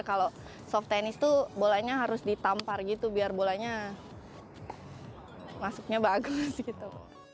kalau soft tennis tuh bolanya harus ditampar gitu biar bolanya masuknya bagus gitu